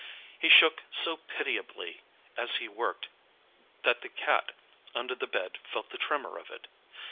He shook so pitiably as he worked that the Cat under the bed felt the tremor of it.